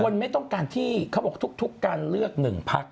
ไม่ต้องการที่เขาบอกทุกการเลือกหนึ่งพัก